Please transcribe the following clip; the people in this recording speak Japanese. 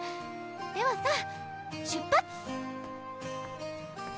ではさあ出発！